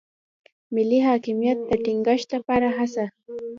ملي حاکمیت د ټینګښت لپاره هڅه.